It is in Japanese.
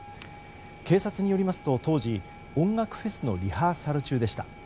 警察によりますと当時、音楽フェスのリハーサル中でした。